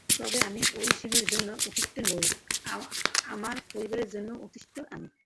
তবে আমি আরিশেমের জন্য অধিষ্ঠিত নই, আমার পরিবারের জন্য অধিষ্ঠিত আমি!